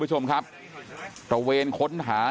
กลุ่มตัวเชียงใหม่